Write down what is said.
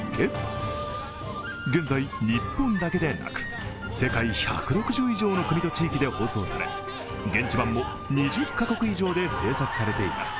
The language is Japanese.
現在、日本だけでなく、世界１６０位上の国と地域で放送され現地版も２０カ国以上で制作されています。